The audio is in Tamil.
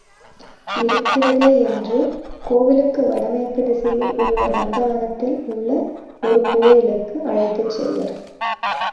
இருக்கிறதே என்று கோவிலுக்கு வடமேற்கு திசையில் உள்ள நந்தவனத்தில் உள்ள ஒரு கோயிலுக்கு அழைத்துச் செல்வர்.